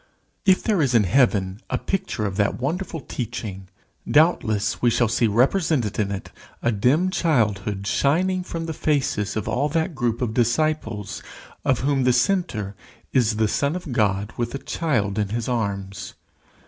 If there is in heaven a picture of that wonderful teaching, doubtless we shall see represented in it a dim childhood shining from the faces of all that group of disciples of which the centre is the Son of God with a child in his arms.